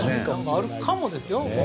あるかもですよ。